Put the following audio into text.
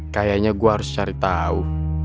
kayaknya gue harus cari tahu